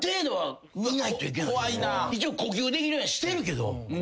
一応呼吸できるようにしてるけど。